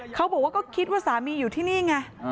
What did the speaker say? เขาบอกว่าก็คิดว่าสามีอยู่ที่นี่ไง